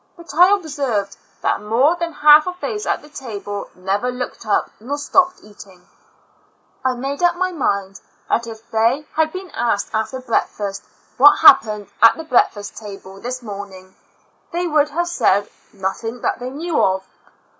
But I observed that more than half of those at the table never looked up nor stopped eating. I made up my mind that if they had been asked after breakfast, 88 ^Tro TuAns A^w Four Months Trliat happened at the l3reakfast table this morning, the would have said, " nothing that they knew of."